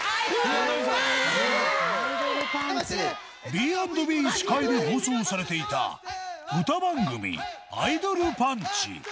Ｂ＆Ｂ司会で放送されていた歌番組『アイドルパンチ』。